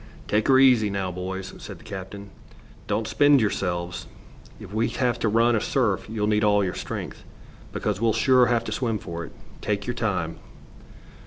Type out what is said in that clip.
"Take her easy, now, boys," said the captain. "Don't spend yourselves. If we have to run a surf you'll need all your strength, because we'll sure have to swim for it. Take your time."